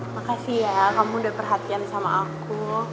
makasih ya kamu udah perhatian sama aku